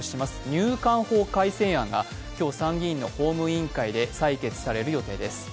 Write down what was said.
入管法改正案が今日、参議院の法務委員会で採決される予定です。